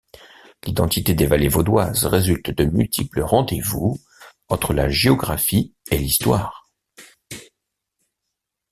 L'identité des vallées vaudoises résulte de multiples rendez-vous entre la géographie et l'histoire.